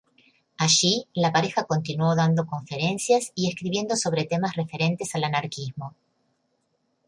Allí, la pareja continuó dando conferencias y escribiendo sobre temas referentes al anarquismo.